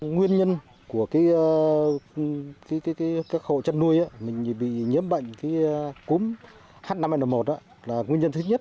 nguyên nhân của cái khổ chất nuôi mình bị nhiễm bệnh cúm h năm n một là nguyên nhân thứ nhất